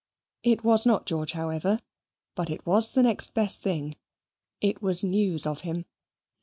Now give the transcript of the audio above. It was not George, however, but it was the next best thing: it was news of him.